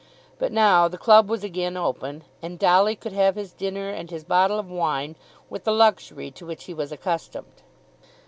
But now the club was again open, and Dolly could have his dinner and his bottle of wine with the luxury to which he was accustomed.